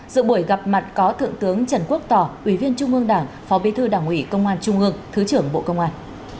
dự buổi gặp mặt có thượng tướng trần quốc tỏ ủy viên trung ương đảng phó bí thư đảng ủy công an trung ương thứ trưởng bộ công an